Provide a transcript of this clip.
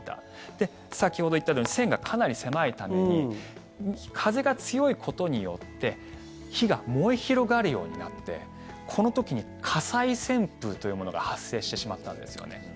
で、先ほど言ったように線がかなり狭いために風が強いことによって火が燃え広がるようになってこの時に火災旋風というものが発生してしまったんですよね。